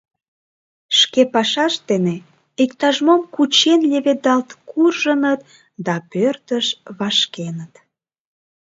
Шке пашашт дене иктаж-мом кучен леведалт куржыныт да пӧртыш вашкеныт.